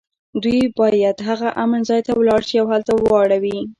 دوی باید هغه امن ځای ته ولاړ شي او هلته واړوي